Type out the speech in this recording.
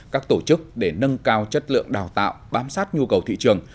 các tổ chức để nâng cao chất lượng đào tạo bám sát nhu cầu thị trường